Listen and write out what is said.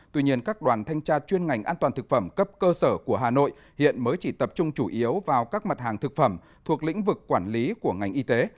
tuy nhiên các đoàn thanh tra chuyên ngành an toàn thực phẩm cấp cơ sở của hà nội hiện mới chỉ tập trung chủ yếu vào các mặt hàng thực phẩm thuộc lĩnh vực quản lý của ngành y tế